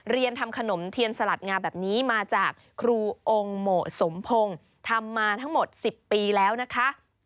เรียนทำขนมเทียนสลัดงาแบบนี้มาจากครูองค์เหมาะสมพงศ์ทำมาทั้งหมด๑๐ปีแล้วนะคะ